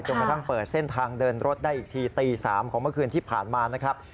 กระทั่งเปิดเส้นทางเดินรถได้อีกทีตี๓ของเมื่อคืนที่ผ่านมานะครับ